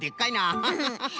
アハハハハ。